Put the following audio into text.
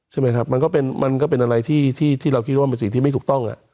ใช่ไหมครับมันก็เป็นอะไรที่เราคิดว่ามันเป็นสิ่งที่ไม่ถูกต้อง